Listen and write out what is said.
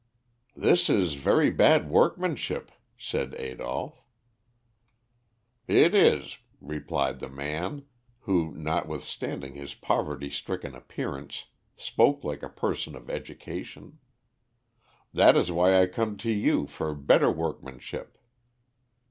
"This is very bad workmanship," said Adolph. "It is," replied the man, who, notwithstanding his poverty stricken appearance, spoke like a person of education. "That is why I come to you for better workmanship."